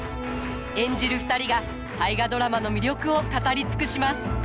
演じる２人が「大河ドラマ」の魅力を語り尽くします。